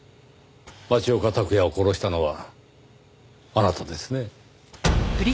町岡卓也を殺したのはあなたですね？